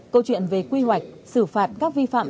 câu chuyện về quy hoạch xử phạt các vi phạm